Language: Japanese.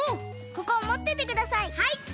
ここをもっててください。